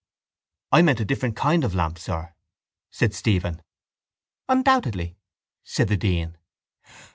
—I meant a different kind of lamp, sir, said Stephen. —Undoubtedly, said the dean.